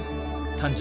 誕生。